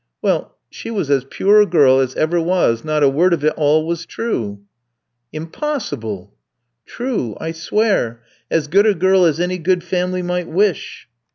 Well, she was as pure a girl as ever was, not a word of it all was true." "Impossible!" "True, I swear; as good a girl as any good family might wish."